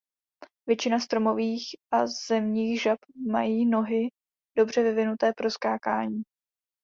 Většina stromových a zemních žab mají nohy dobře vyvinuté pro skákání.